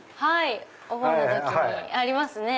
お盆の時にありますね。